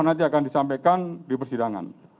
insya allah nanti akan disampaikan di persidangan